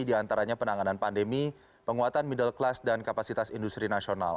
di antaranya penanganan pandemi penguatan middle class dan kapasitas industri nasional